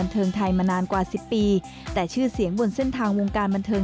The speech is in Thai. เราทำให้เขาพูดว่าคนไทย